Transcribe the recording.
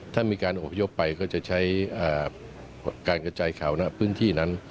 ถ้ามีการอบพยพไปก็จะใช้การกระจายข่าวณพื้นที่นั้น